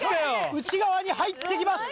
内側に入ってきました